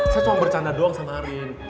saya cuma bercanda doang sama arin